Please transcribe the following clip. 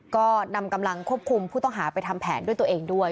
ก็นำกำลังควบคุมผู้ต้องหาไปทำแผนด้วยตัวเองด้วย